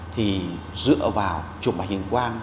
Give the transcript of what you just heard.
thì dựa vào chụp hành hình quang